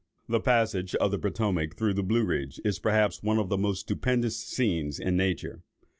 "The passage of the Potomac through the Blue Ridge, is, perhaps, one of the most stupendous scenes in nature.